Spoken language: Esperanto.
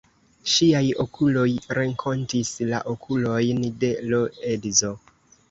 Ŝiaj okuloj renkontis la okulojn de l' edzo.